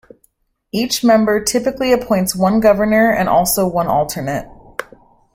Each member typically appoints one governor and also one alternate.